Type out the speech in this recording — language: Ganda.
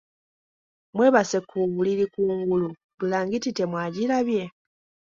Mwebase ku buliri kungulu bulangiti temwagirabye?